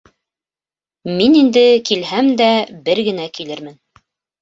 Мин инде килһәм дә бер генә килермен.